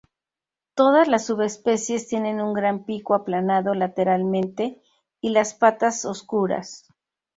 Todas las subespecies tienen un gran pico aplanado lateralmente y las patas oscuras.